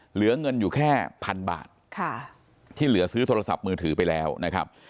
เหลือเงินอยู่แค่พันบาทที่เหลือซื้อโทรศัพท์มือถือไปแล้วนะครับ